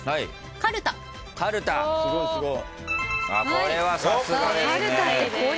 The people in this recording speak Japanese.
これはさすがですね。